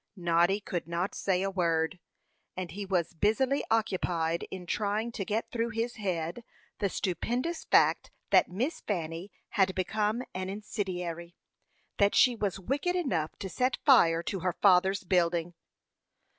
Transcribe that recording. Noddy could not say a word, and he was busily occupied in trying to get through his head the stupendous fact that Miss Fanny had become an incendiary; that she was wicked enough to set fire to her father's building.